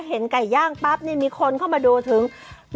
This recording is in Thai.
เห็นไก่ย่างปั๊บนี่มีคนเข้ามาดูถึง